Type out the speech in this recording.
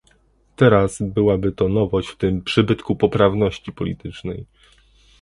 Teraz byłaby to nowość w tym przybytku poprawności politycznej